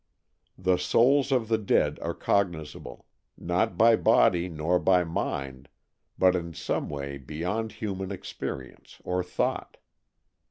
The souls of the dead are cognizable, not by body nor by mind, but in some way be yond human experience or thought.